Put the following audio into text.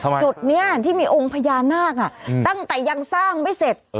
จุดนี้ที่มีองค์พญานาคตั้งแต่ยังสร้างไม่เสร็จ